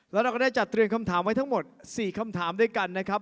แล้วเราก็ได้จัดเตรียมคำถามไว้ทั้งหมด๔คำถามด้วยกันนะครับ